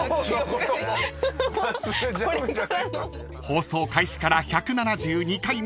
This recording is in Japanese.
［放送開始から１７２回目］